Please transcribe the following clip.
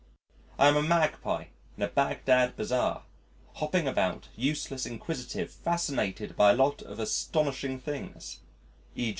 I am a Magpie in a Bagdad bazaar, hopping about, useless, inquisitive, fascinated by a lot of astonishing things: _e.